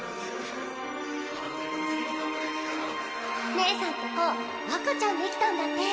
姉さんとこ赤ちゃんできたんだって。